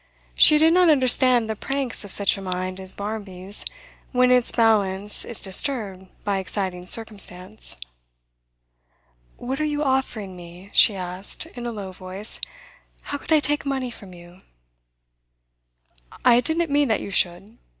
She did not understand the pranks of such a mind as Barmby's when its balance is disturbed by exciting circumstance. 'What are you offering me?' she asked, in a low voice. 'How could I take money from you?' 'I didn't mean that you should.